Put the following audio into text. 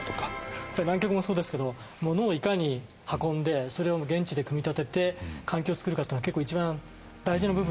やっぱり南極もそうですけど物をいかに運んでそれを現地で組み立てて環境をつくるかっていうのが結構一番大事な部分。